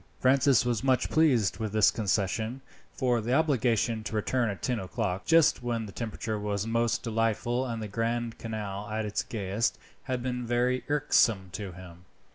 Francis was much pleased with this concession, for the obligation to return at ten o'clock, just when the temperature was most delightful and the Grand Canal at its gayest, had been very irksome to him.